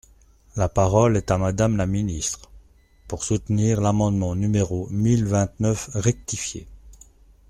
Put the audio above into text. La parole est à Madame la ministre, pour soutenir l’amendement numéro mille vingt-neuf rectifié.